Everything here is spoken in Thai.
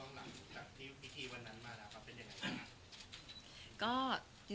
หลังจากพิธีวันนั้นมาก็เป็นยังไง